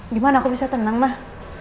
gimana aku bisa tenang mah